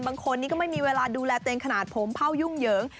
บางคนนี้ก็ไม่มีเวลาดูแลตัวเองขนาดผมเผ่ายุ่งเหยิง